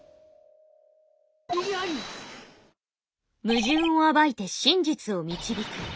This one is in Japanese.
ムジュンを暴いて真実を導く。